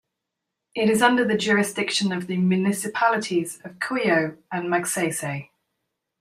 It is under the jurisdiction of the municipalities of Cuyo and Magsaysay.